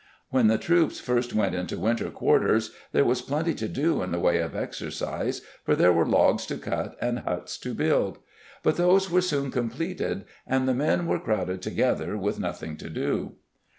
When the troops first went into winter quarters there was plenty to do in the way of exercise for there were logs to cut and huts to build, but those were soon completed and the men were crowded together with nothing to do.